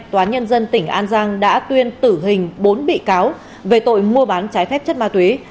tòa án nhân dân tỉnh an giang đã tuyên tử hình bốn bị cáo về tội mua bán trái phép chất ma túy